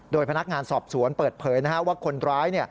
โดยพนักงานสอบสวนเปิดเผยว่าคนร้าย